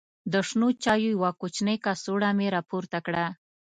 د شنو چایو یوه کوچنۍ کڅوړه مې راپورته کړه.